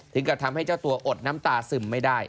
กับทำให้เจ้าตัวอดน้ำตาซึมไม่ได้